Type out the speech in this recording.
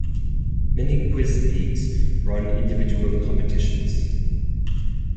Many quiz leagues run individual competitions.